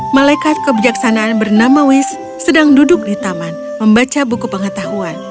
malaikat kebijaksanaan bernama wis sedang duduk di taman membaca buku pengetahuan